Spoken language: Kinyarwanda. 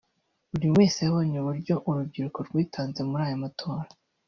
buri wese yabonye uburyo urubyiruko rwitanze muri aya matora